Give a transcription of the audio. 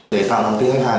để tạo niềm tin cho khách hàng